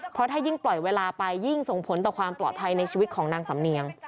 เพราะถ้ายิ่งปล่อยเวลาไปยิ่งส่งผลต่อความปลอดภัยในชีวิตของนางสำเนียง